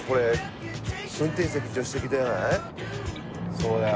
そうだよ。